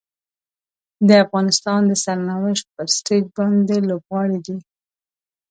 د افغانستان د سرنوشت پر سټیج باندې لوبغاړي دي.